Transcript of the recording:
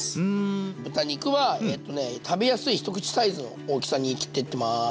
豚肉は食べやすい一口サイズの大きさに切っていってます。